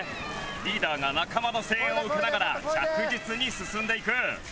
リーダーが仲間の声援を受けながら着実に進んでいく。